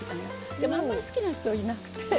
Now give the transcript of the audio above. でもあんまり好きな人いなくて。